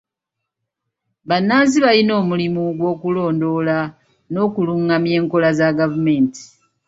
Bannansi bayina omulimu gw'okulondoola n'okulungamya enkola za gavumenti.